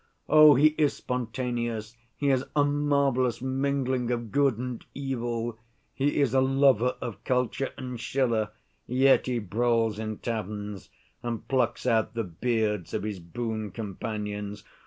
Oh, he is spontaneous, he is a marvelous mingling of good and evil, he is a lover of culture and Schiller, yet he brawls in taverns and plucks out the beards of his boon companions.